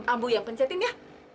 ambu yang pencetin ya